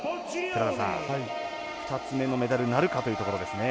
寺田さん、２つ目のメダルなるかというところですね。